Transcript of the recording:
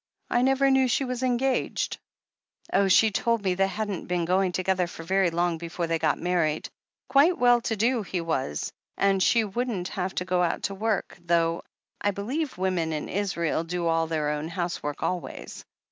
I never knew she was engaged." "Oh, she told me they hadn't been going together for very long before they got married. Quite well to do, he was, and she wouldn't have to go out to work, though I believe the women in Australia do all their own house work always.